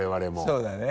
そうだね。